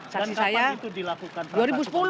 dan kapan itu dilakukan